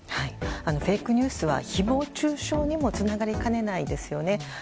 フェイクニュースは誹謗中傷にもつながりかねないですよね。